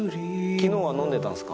昨日は飲んでたんすか？